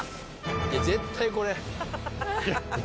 いや絶対これ。